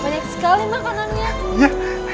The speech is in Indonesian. banyak sekali makanannya